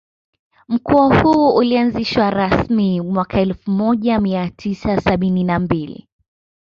Mkoa huu ulianzishwa rasmi mwaka elfu moja mia tisa sabini na mbili